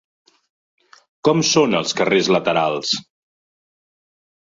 Com són els carrers laterals?